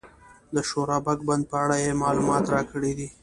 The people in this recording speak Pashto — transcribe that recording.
د شورابک بند په اړه یې معلومات راکړي دي.